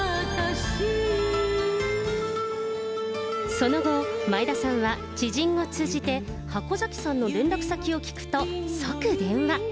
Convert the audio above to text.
その後、前田さんは知人を通じて箱崎さんの連絡先を聞くと即電話。